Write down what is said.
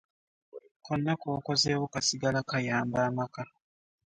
Konna k'okozeewo kasigala kayamba amaka.